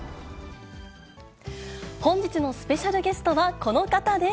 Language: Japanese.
本日のスペシャルゲストはこの方です。